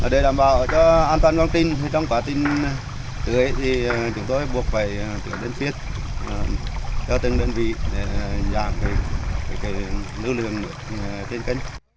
để đảm bảo cho an toàn văn tin trong quả tin từ ấy thì chúng tôi buộc phải đơn phiết cho từng đơn vị để giảm lưu lượng trên kênh